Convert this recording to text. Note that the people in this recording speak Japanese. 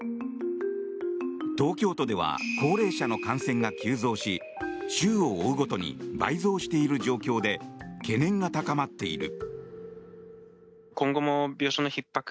東京都では高齢者の感染が急増し週を追うごとに倍増している状況で懸念が高まっている。